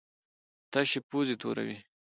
تشې پوزې توروي.